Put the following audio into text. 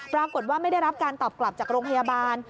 ปรากฏว่าไม่ได้รับการตอบกลับจากโรงพยาบาล